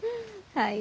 はい。